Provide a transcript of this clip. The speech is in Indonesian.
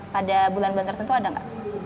pada bulan bulan tertentu ada nggak